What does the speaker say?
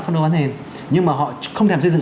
phân đồ bán nền nhưng mà họ không thèm xây dựng